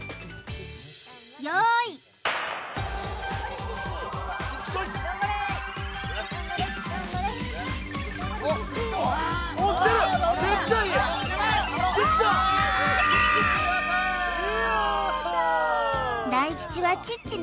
用意大吉はチッチね